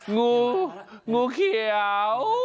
งูงูเขียว